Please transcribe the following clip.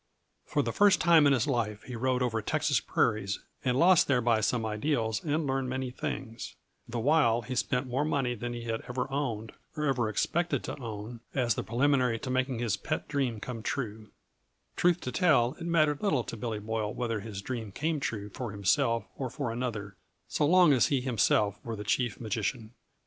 For the first time in his life he rode over Texas prairies and lost thereby some ideals and learned many things, the while he spent more money than he had ever owned or ever expected to own as the preliminary to making his pet dream come true; truth to tell, it mattered little to Billy Boyle whether his dream came true for himself or for another, so long as he himself were the chief magician.